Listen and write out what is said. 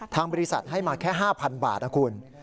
ทางบริษัทให้มาแค่๕๐๐บาทนะคุณ